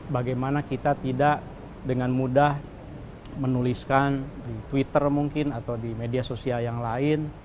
bagaimana kita tidak dengan mudah menuliskan di twitter mungkin atau di media sosial yang lain